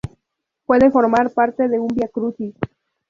Puede formar parte de un Vía Crucis.